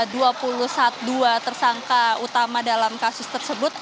dua tersangka utama dalam kasus tersebut